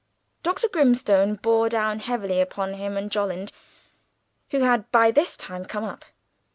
Dr. Grimstone bore down heavily upon him and Jolland, who had by this time come up.